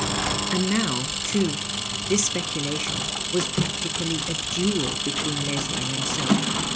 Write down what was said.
And now, too, this epectilation was practically a duel between Leslie and himself.